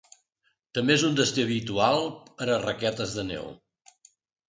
També és un destí habitual per a raquetes de neu.